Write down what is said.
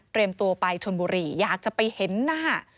ตัวไปชนบุรีอยากจะไปเห็นหน้า